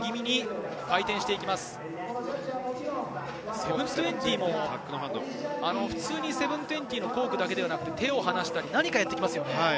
７２０も普通に７２０コークだけではなくて、手を離したり何かやりますね。